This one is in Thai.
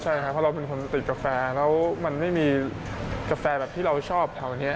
ใช่ครับเพราะเราเป็นคนติดกาแฟแล้วมันไม่มีกาแฟแบบที่เราชอบแถวนี้